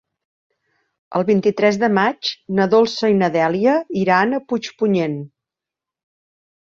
El vint-i-tres de maig na Dolça i na Dèlia iran a Puigpunyent.